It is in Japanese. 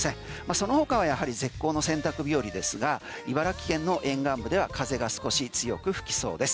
そのほかはやはり絶好の洗濯日和ですが茨城県の沿岸部では風が少し強く吹きそうです。